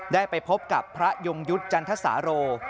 ได้ไปพบกับพระยงยุทธ์จันทสาโร